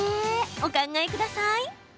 お考えください。